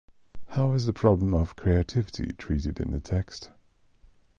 How is the problem of creativity treated in the text?